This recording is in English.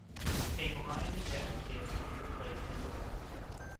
A blind, deaf kid who could play pinball.